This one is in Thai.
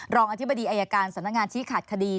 รองอธิบดีอายการสำนักงานชี้ขาดคดี